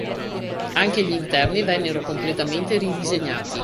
Anche gli interni vennero completamente ridisegnati.